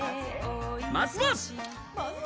まずは。